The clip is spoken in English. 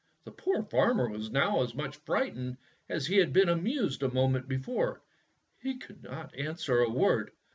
The poor farmer was now as much fright ened as he had been amused a moment be fore. He could not answer a word.